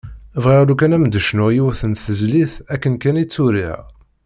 Bɣiɣ lukan ad m-d-cnuɣ yiwet n tezlit akken kan i tt-uriɣ.